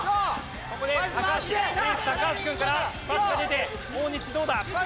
ここで高橋エース高橋くんからパスが出て大西どうだ？